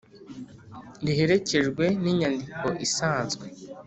riherekejwe n inyandiko isanzwe